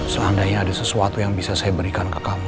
selandainya ada sesuatu yang bisa saya berikan ke kamu